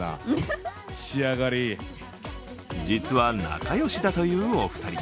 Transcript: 実は仲良しだというお二人。